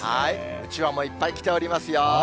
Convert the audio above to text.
うちわもいっぱい来ておりますよ。